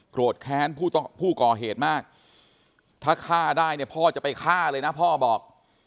แค้นผู้ก่อเหตุมากถ้าฆ่าได้เนี่ยพ่อจะไปฆ่าเลยนะพ่อบอก